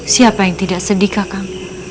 siapa yang tidak sedih kakakku